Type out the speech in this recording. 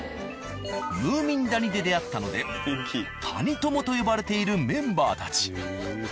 ムーミン谷で出会ったので「谷とも」と呼ばれているメンバーたち。